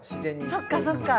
そっかそっか。